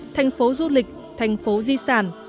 thành phố du lịch thành phố di sản